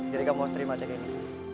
jadi kamu harus terima cek ini